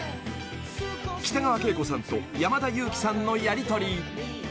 ［北川景子さんと山田裕貴さんのやりとり］